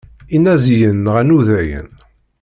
Inaziyen nɣan udayen.